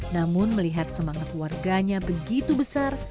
namun melihat semangat warganya begitu besar